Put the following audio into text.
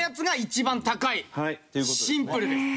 シンプルです。